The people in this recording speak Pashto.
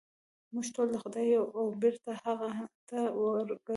موږ ټول د خدای یو او بېرته هغه ته ورګرځو.